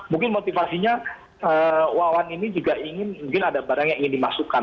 mungkin motivasinya wawan ini juga ingin mungkin ada barang yang ingin dimasukkan